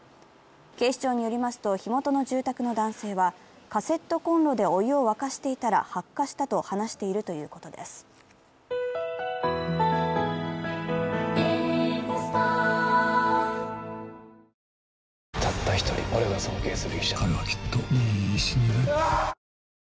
警視庁によりますと火元の住宅の男性はカセットコンロでお湯を沸かしていたら発火したと話しているとい「Ｓｕｎトピ」、高安さんです。